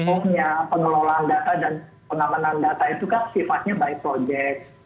ohnya pengelolaan data dan pengamanan data itu kan sifatnya by project